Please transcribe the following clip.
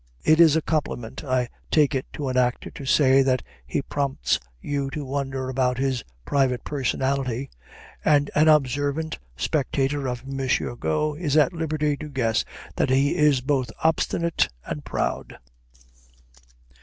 It is a compliment, I take it, to an actor, to say that he prompts you to wonder about his private personality; and an observant spectator of M. Got is at liberty to guess that he is both obstinate and proud.